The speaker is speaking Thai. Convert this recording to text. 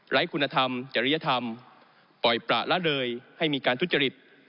คุณธรรมจริยธรรมปล่อยประละเลยให้มีการทุจริต